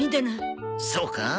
そうか？